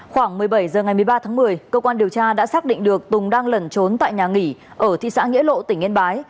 khoảng một mươi bảy h ngày một mươi ba tháng một mươi cơ quan điều tra đã xác định được tùng đang lẩn trốn tại nhà nghỉ ở thị xã nghĩa lộ tỉnh yên bái